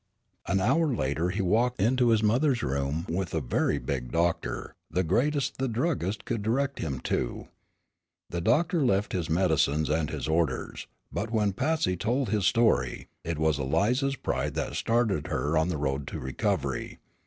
An hour later he walked into his mother's room with a very big doctor, the greatest the druggist could direct him to. The doctor left his medicines and his orders, but, when Patsy told his story, it was Eliza's pride that started her on the road to recovery.